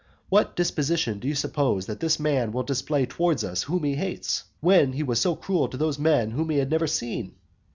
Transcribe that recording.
What disposition do you suppose that this man will display towards us whom he hates, when he was so cruel to those men whom he had never seen?